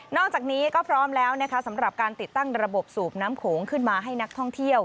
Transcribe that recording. อกจากนี้ก็พร้อมแล้วนะคะสำหรับการติดตั้งระบบสูบน้ำโขงขึ้นมาให้นักท่องเที่ยว